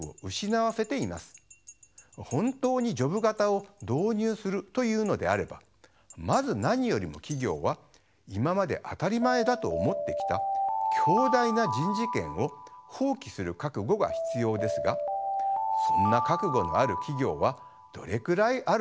本当にジョブ型を導入するというのであればまず何よりも企業は今まで当たり前だと思ってきた強大な人事権を放棄する覚悟が必要ですがそんな覚悟のある企業はどれくらいあるでしょうか。